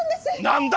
何だ？